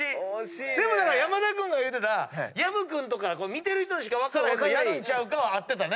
でも山田君が言うてた薮君とか見てる人にしか分からへんのやるんちゃうかは合ってたね。